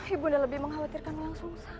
ibu nda lebih mengkhawatirkan langsung sang